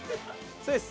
そうです。